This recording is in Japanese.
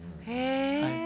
へえ。